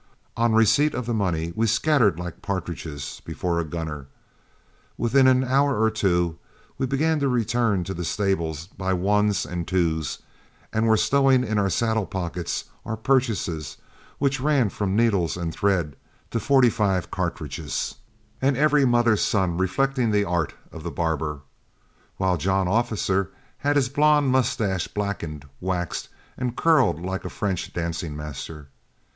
On receipt of the money, we scattered like partridges before a gunner. Within an hour or two, we began to return to the stable by ones and twos, and were stowing into our saddle pockets our purchases, which ran from needles and thread to .45 cartridges, every mother's son reflecting the art of the barber, while John Officer had his blond mustaches blackened, waxed, and curled like a French dancing master.